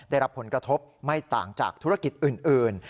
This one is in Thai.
ได้รับผลกระทบไม่ต่างจากธุรกิจอื่น